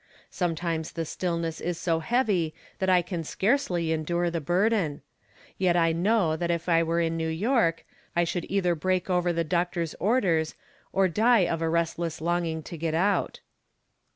Sometimes the stillness is so heavy that I can scarcely endure the bur den. Yet I know that if I were in New York I should either break over the doctor's orders or die of a restless longing to get out.